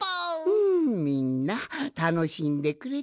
うんみんなたのしんでくれたかの？はい！